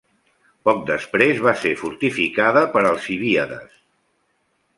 Poc després va ser fortificada per Alcibíades.